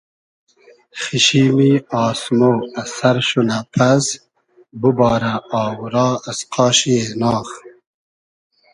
خیشیمی آسمۉ از سئر شونۂ پئس دوبارۂ آوورا از قاشی ایناغ